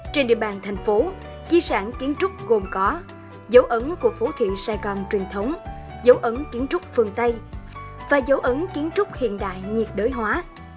trên địa bàn thành phố di sản kiến trúc gồm có dấu ấn của phố thị sài gòn truyền thống dấu ấn kiến trúc phương tây và dấu ấn kiến trúc hiện đại nhiệt đới hóa